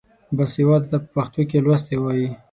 باسواده ته په پښتو کې لوستی وايي.